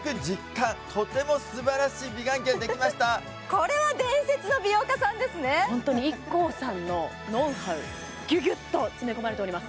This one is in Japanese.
これはホントにＩＫＫＯさんのノウハウギュギュッと詰め込まれております